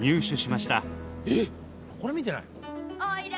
えっこれ見てない。